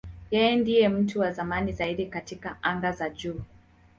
Yeye ndiye mtu wa zamani zaidi katika anga za juu.